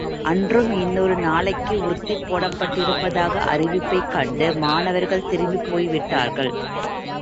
அன்றும், இன்னொரு நாளைக்கு ஒத்திப் போடப்பட்டிருப்பதாக அறிவிப்பைக் கண்டு மாணவர்கள் திரும்பிப் போய்விட்டார்கள்.